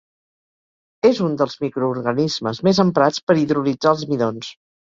És un dels microorganismes més emprats per hidrolitzar els midons.